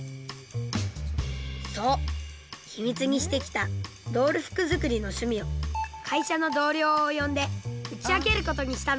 そう秘密にしてきたドール服作りの趣味を会社の同僚を呼んで打ち明けることにしたのです。